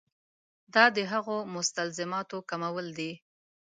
دا د هغو مستلزماتو کمول دي.